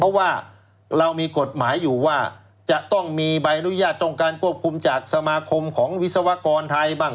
เพราะว่าเรามีกฎหมายอยู่ว่าจะต้องมีใบอนุญาตต้องการควบคุมจากสมาคมของวิศวกรไทยบ้าง